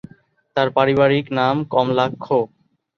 তাঁর পারিবারিক নাম কমলাক্ষ।